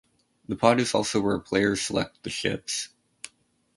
The pod is also where players select the ships.